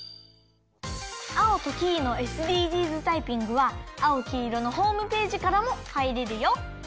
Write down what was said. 「アオとキイのＳＤＧｓタイピング」は「あおきいろ」のホームページからもはいれるよ。